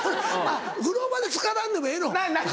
風呂場でつからんでもええの？